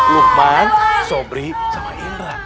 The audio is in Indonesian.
lukman sobri sama indra